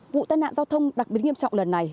vụ tai nạn giao thông đặc biệt nghiêm trọng lần này